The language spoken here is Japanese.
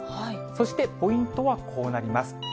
そしてポイントはこうなります。